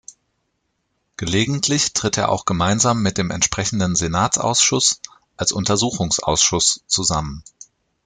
Gelegentlich tritt er auch gemeinsam mit dem entsprechenden Senatsausschuss als Untersuchungsausschuss zusammen.